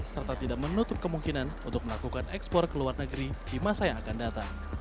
serta tidak menutup kemungkinan untuk melakukan ekspor ke luar negeri di masa yang akan datang